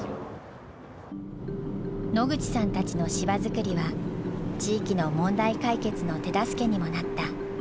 野口さんたちの芝作りは地域の問題解決の手助けにもなった。